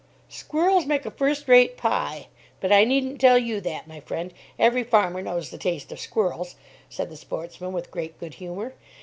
"Squirrels make a first rate pie. But I needn't tell you that, my friend. Every farmer knows the taste of squirrels," said the sportsman with great good humour.